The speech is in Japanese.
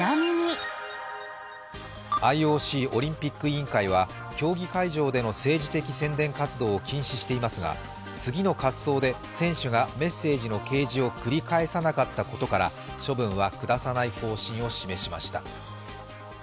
ＩＯＣ＝国際オリンピック委員会は競技会場での政治的宣伝を禁止していますが次の滑走で選手がメッセージの掲示を繰り返さなかったことから処分は下さない方針を示しました。